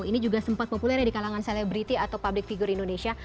ini juga sempat populer di kalangan selebriti atau public figure indonesia